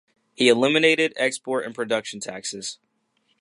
He eliminated export and production taxes.